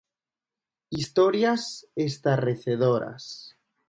Historias estarrecedoras.